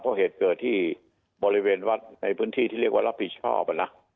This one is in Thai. เพราะเหตุเกิดที่บริเวณวัดในพื้นที่ที่เรียกว่ารับผิดชอบไปแล้ว